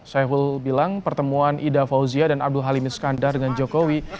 saiful bilang pertemuan ida fauzia dan abdul halim iskandar dengan jokowi